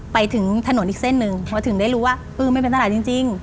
ไปถึงถนนอีกเส้นหนึ่งพอถึงได้รู้ว่าเออไม่เป็นตลาดจริง